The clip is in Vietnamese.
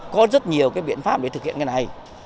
có rất nhiều cái biện pháp để thực hiện cái này